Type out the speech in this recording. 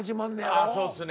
ああそうっすね。